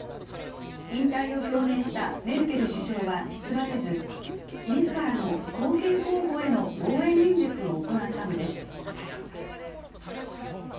引退を表明したメルケル首相は出馬せず、自らの後継候補への応援演説を行ったのです。